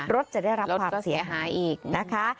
จะได้รับความเสียหายอีกนะคะ